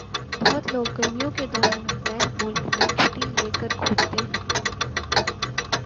بہت لوگ گرمیوں کے دوران غیر ملک میں چھٹّی لے کر گھومتے ہیں۔